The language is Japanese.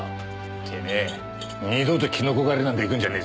てめえ二度とキノコ狩りなんか行くんじゃねえぞ。